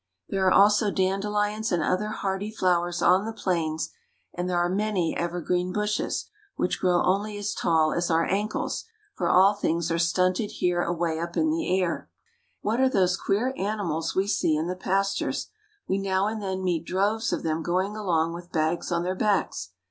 There are also dandelions and other hardy flowers on the plains, and there are many evergreen bushes, which grow only as tall as our ankles, for all things are stunted here away up in the air. ON THE ROOF OF SOUTH AMERICA. 75 What are those queer animals we see In the pastures? We now and then meet droves of them going along with bags on their backs.